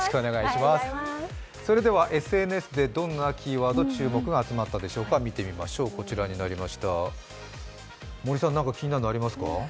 ＳＮＳでどんなキーワードに注目が集まったでしょうか、見てみましょう森さん、何か気になるものありますか？